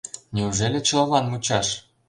Неужели чылалан мучаш?».